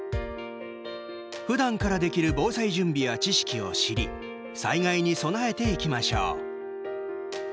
ふだんからできる防災準備や知識を知り災害に備えていきましょう。